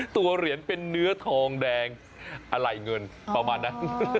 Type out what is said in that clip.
ตัวเหรียญเป็นเนื้อทองแดงอะไรเงินประมาณนั้น